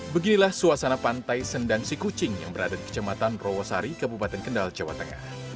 beginilah suasana pantai sendang sikucing yang berada di kecamatan rowosari kabupaten kendal jawa tengah